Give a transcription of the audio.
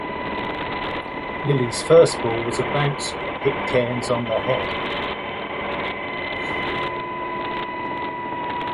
Lillee's first ball was a bouncer that hit Cairns on the head.